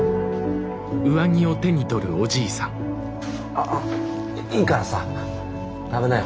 ああいいからさ食べなよ